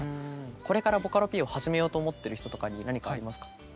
これからボカロＰを始めようと思ってる人とかに何かありますか？